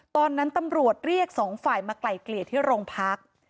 ตอนนั้นตำรวจเรียกสองฝ่ายมาไกล่เกลี่ยที่โรงพัก